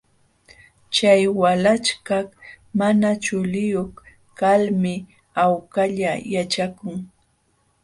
Chay walaśhkaq mana chuliyuq kalmi hawkalla yaćhakun.